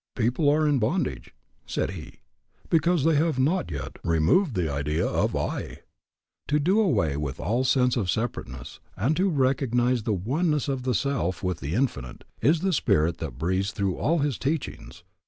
People are in bondage, said he, because they have not yet removed the idea of I. To do away with all sense of separateness, and to recognize the oneness of the self with the Infinite, is the spirit that breathes through all his teachings.